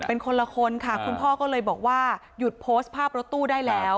เป็นคนละคนค่ะคุณพ่อก็เลยบอกว่าหยุดโพสต์ภาพรถตู้ได้แล้ว